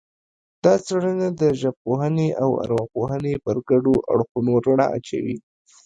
دا څېړنه د ژبپوهنې او ارواپوهنې پر ګډو اړخونو رڼا اچوي